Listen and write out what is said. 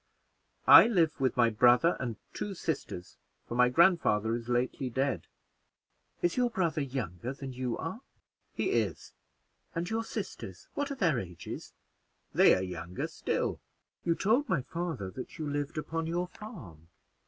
"I live with my brother and two sisters, for my grandfather is lately dead." "Is your brother younger than you are?" "He is." "And your sisters, what are their ages?" "They are younger still." "You told my father that you lived upon your farm?"